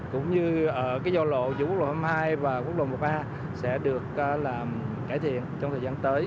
cũng như ở giao lộ giữa quốc lộ hai mươi hai và quốc lộ một a sẽ được cải thiện trong thời gian tới